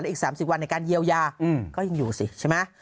อีก๓๐วันในการเยียวยาก็ยังอยู่สิใช่ไหม